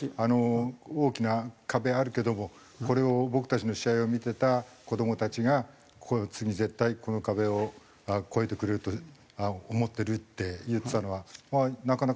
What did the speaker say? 「大きな壁あるけどもこれを僕たちの試合を見てた子供たちが次絶対この壁を越えてくれると思ってる」って言ってたのはなかなかいいコメントだなと。